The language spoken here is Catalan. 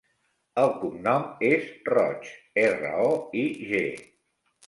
El cognom és Roig: erra, o, i, ge.